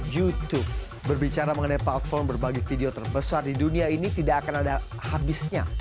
youtube berbicara mengenai platform berbagi video terbesar di dunia ini tidak akan ada habisnya